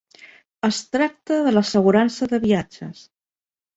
Es tracta de l'assegurança de viatges.